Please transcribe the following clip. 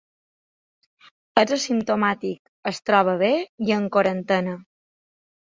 És asimptomàtic, es troba bé i en quarantena.